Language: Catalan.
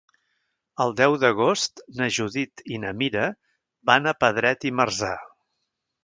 El deu d'agost na Judit i na Mira van a Pedret i Marzà.